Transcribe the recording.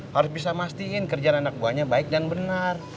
harus bisa memastikan kerjaan anak buahnya baik dan benar